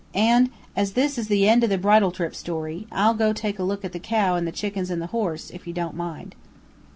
An' as this is the end of the bridal trip story, I'll go an' take a look at the cow an' the chickens an' the horse, if you don't mind."